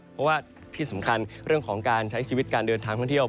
เพราะว่าที่สำคัญเรื่องของการใช้ชีวิตการเดินทางท่องเที่ยว